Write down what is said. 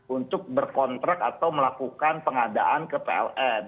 untuk berkontrak atau melakukan pengadaan ke pln